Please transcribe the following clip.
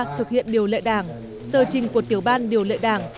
thực hiện điều lệ đảng